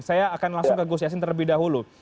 saya akan langsung ke gus yassin terlebih dahulu